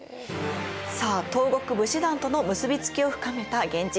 さあ東国武士団との結び付きを深めた源氏。